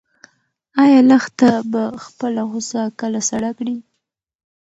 ایا لښته به خپله غوسه کله سړه کړي؟